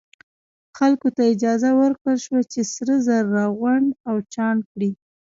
خلکو ته اجازه ورکړل شوه چې سره زر راغونډ او چاڼ کړي.